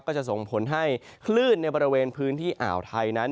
ก็จะส่งผลให้คลื่นในบริเวณพื้นที่อ่าวไทยนั้น